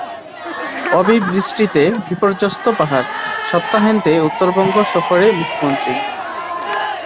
অবিবৃষ্টিতে বিপর্যস্ত পাহাড়, সপ্তাহান্তে উত্তরবঙ্গ সফরে মুখ্যমন্ত্রী